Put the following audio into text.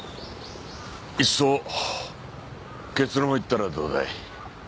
いっそ結論を言ったらどうだい？